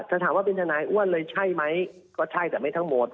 แต่ถามว่าเป็นทนายอ้วนเลยใช่ไหมก็ใช่แต่ไม่ทั้งหมด